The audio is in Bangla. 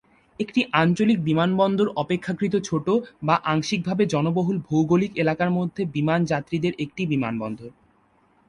একটি আঞ্চলিক বিমানবন্দর অপেক্ষাকৃত ছোটো বা আংশিকভাবে জনবহুল ভৌগোলিক এলাকার মধ্যে বিমান যাত্রীদের একটি বিমানবন্দর।